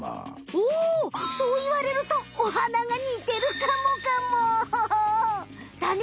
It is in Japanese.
おおそういわれるとおはながにてるかもかもだね！